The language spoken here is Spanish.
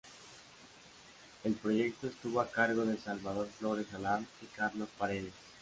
El proyecto estuvo a cargo de Salvador Flores Salam y Carlos Paredes.